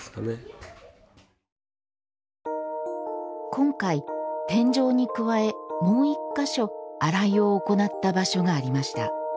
今回天井に加えもう一か所洗いを行った場所がありました。